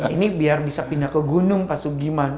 ini biar bisa pindah ke gunung pasugiman